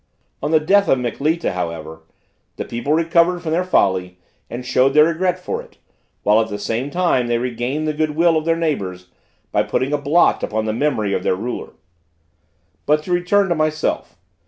On the death of Mikleta, however, the people recovered from their folly, and showed their regret for it, while at the same time they regained the good will of their neighbors, by putting a blot upon the memory of their ruler. But, to return to myself.